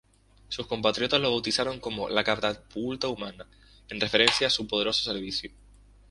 Sus compatriotas lo bautizaron como ""La catapulta humana"" en referencia a su poderoso servicio.